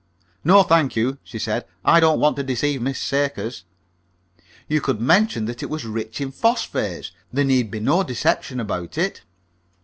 "No, thank you," she said; "I don't want to deceive Miss Sakers." "You could mention that it was rich in phosphates. There need be no deception about it."